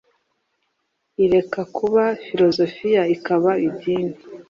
ireka kuba filozofiya ikaba idini